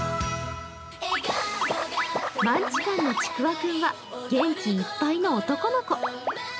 マンチカンのちくわ君は元気いっぱいの男の子。